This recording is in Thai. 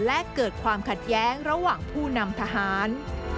และเกิดความขัดแย้งระหว่างผู้นำทหาร